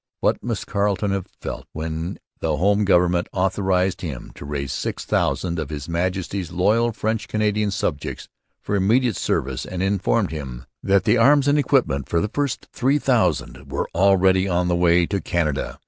What must Carleton have felt when the home government authorized him to raise six thousand of His Majesty's loyal French Canadian subjects for immediate service and informed him that the arms and equipment for the first three thousand were already on the way to Canada!